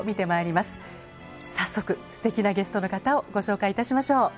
早速すてきなゲストの方をご紹介いたしましょう。